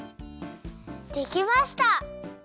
できました！